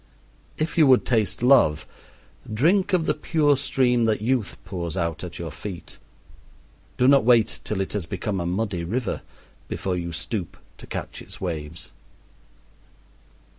If you would taste love, drink of the pure stream that youth pours out at your feet. Do not wait till it has become a muddy river before you stoop to catch its waves.